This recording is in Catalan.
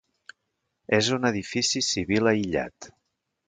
És un edifici civil aïllat.